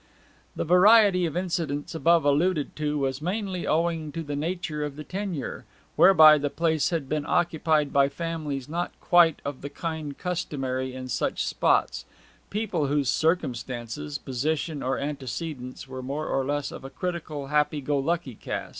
The variety of incidents above alluded to was mainly owing to the nature of the tenure, whereby the place had been occupied by families not quite of the kind customary in such spots people whose circumstances, position, or antecedents were more or less of a critical happy go lucky cast.